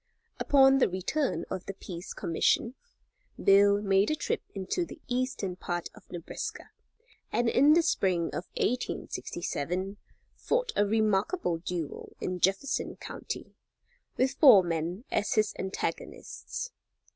Upon the return of the Peace Commission, Bill made a trip into the eastern part of Nebraska, and in the spring of 1867, fought a remarkable duel in Jefferson county, with four men as his antagonists.